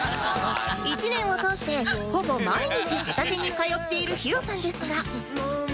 １年を通してほぼ毎日畑に通っている ＨＩＲＯ さんですが